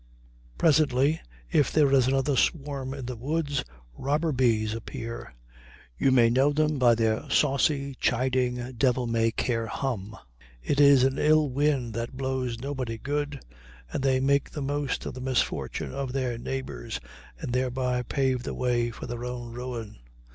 Presently, if there is another swarm in the woods, robber bees appear. You may know them by their saucy, chiding, devil may care hum. It is an ill wind that blows nobody good, and they make the most of the misfortune of their neighbors, and thereby pave the way for their own ruin.